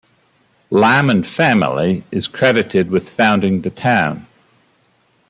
Lyman family is credited with founding the town.